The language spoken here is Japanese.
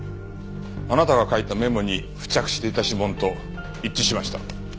あなたが書いたメモに付着していた指紋と一致しました。